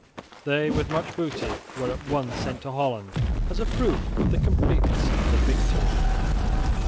They, with much booty, were at once sent to Holland as a proof of the completeness of the victory.